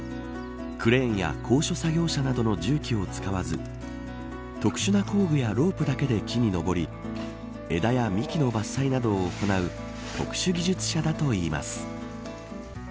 クレーンや高所作業車などの重機を使わず特殊な工具やロープだけで木に登り枝や幹の伐採などを行う特殊技術者だといいます。